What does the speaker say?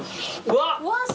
うわっ。